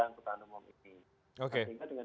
angkutan umum ini oke sehingga dengan